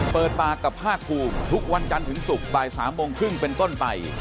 เปิดปากกับภาคภูมิทุกวันจันทร์ถึงศุกร์บ่าย๓โมงครึ่งเป็นต้นไป